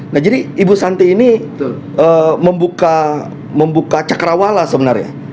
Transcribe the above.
nah jadi ibu santi ini membuka cakrawala sebenarnya